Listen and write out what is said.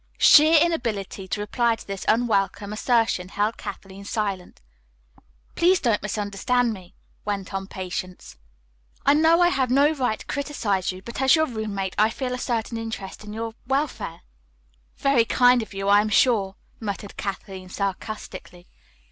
Sheer inability to reply to this unwelcome assertion held Kathleen silent. "Please don't misunderstand me," went on Patience. "I know I have no right to criticize you, but as your roommate, I feel a certain interest in your welfare." "Very kind in you, I am sure," muttered Kathleen sarcastically.